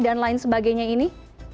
dan lain sebagainya ini